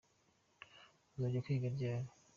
uzajya kwiga ryari?